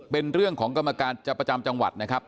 เป็นเรื่องของกรรมการจะประจำจังหวัดนะครับ